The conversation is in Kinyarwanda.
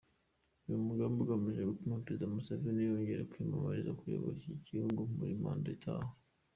Uyu mugambi ugamije gutuma Perezida Museveni yongera kwiyamamariza kuyobora iki gihugu muri manda itaha.